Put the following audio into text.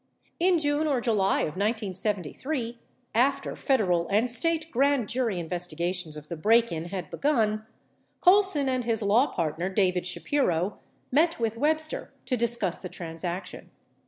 In June or July of 1973, after Federal and State grand jury investigations of the break in had begun, Colson and his law partner, David Shapiro, met with Webster to discuss the transaction.